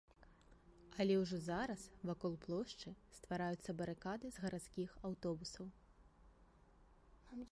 Але ўжо зараз вакол плошчы ствараюцца барыкады з гарадскіх аўтобусаў.